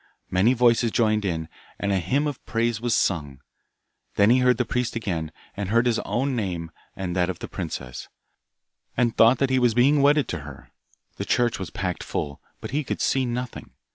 Many voices joined in, and a hymn of praise was sung; then he heard the priest again, and heard his own name and that of the princess, and thought that he was being wedded to her. The church was packed full, but he could see nothing.